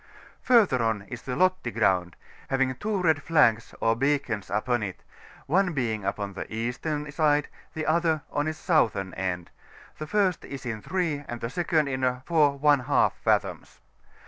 FiuiSier on is the £otti Groundy having two red flags or beacons upon it^ one being upon the eastern side, the other on its southern end: the first is in 3, and the second in 4^ fathoms.